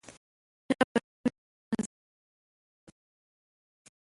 چا به نه وي د نظر اندېښنه کړې